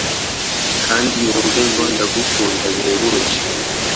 kandi wumve ngo ndagukunda bihebuje